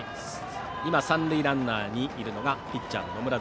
三塁ランナーにいるのがピッチャーの野村。